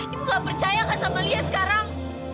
ibu gak percaya kan sama liat sekarang